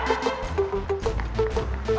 daya pun woi